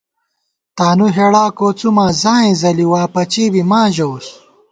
تانُو ہېڑا کوڅُوماں ځائیں ځَلی، واپَچےبی ماں ژَوُس